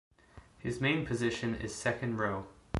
His main position is second row.